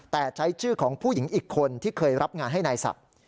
แต่ใช้ชื่อของผู้หญิงอีกคนที่เคยรับงานให้นายศักดิ์